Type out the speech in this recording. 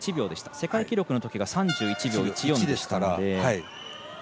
世界記録のときが３１秒１４でしたので。